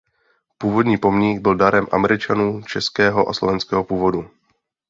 Původní pomník byl darem Američanů českého a slovenského původu.